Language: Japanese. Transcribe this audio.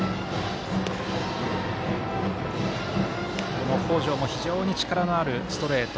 この北條も非常に力のあるストレート。